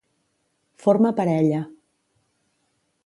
Forma parella.